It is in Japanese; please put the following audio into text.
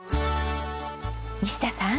西田さん